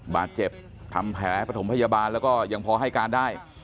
บาดเจ็บทำแผลประถมพยาบาลแล้วก็ยังพอให้การได้